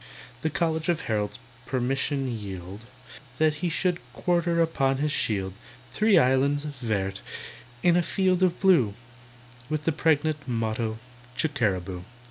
The College of Heralds permission yield That he should quarter upon his shield Three islands, vert, on a field of blue, With the pregnant motto "Chickeraboo."